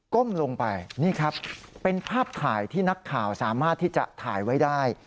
ก้มลงไปนี่ครับเป็นภาพถ่ายที่นักข่าวสามารถที่จะถ่ายไว้ได้